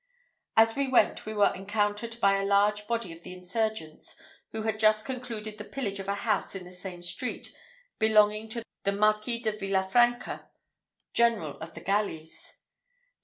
As we went, we were encountered by a large body of the insurgents who had just concluded the pillage of a house in the same street, belonging to the Marquis de Villafranca, general of the galleys.